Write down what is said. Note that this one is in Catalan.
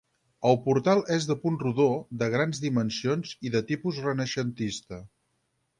El portal és de punt rodó, de grans dimensions i de tipus renaixentista.